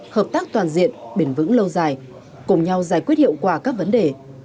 hợp tác toàn diện biển vững lâu dài cùng nhau giải quyết hiệu quả các vấn đề